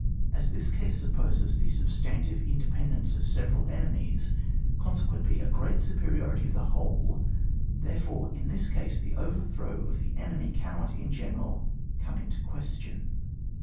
As this case supposes the substantive independence of several enemies, consequently a great superiority of the whole, therefore in this case the overthrow of the enemy cannot, in general, come into question.